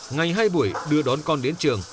ngày hai buổi đưa đón con đến trường